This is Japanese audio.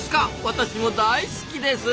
私も大好きです！